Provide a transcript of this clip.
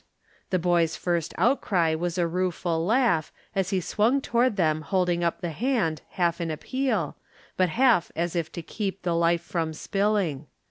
The boy's first outcry was a rueful laugh, As he swung toward them holding up the hand Half in appeal, but half as if to keep The life from spilling.